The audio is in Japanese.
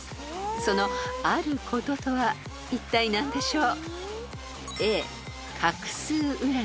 ［その「あること」とはいったい何でしょう？］